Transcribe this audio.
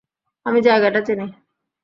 আমি জায়গাটা চিনি।